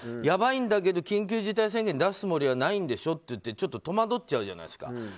やばいんだけど緊急事態宣言出すつもりはないんでしょっていってちょっと戸惑っちゃうじゃないですか。